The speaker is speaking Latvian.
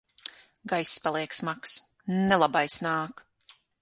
Gaiss paliek smags. Nelabais nāk!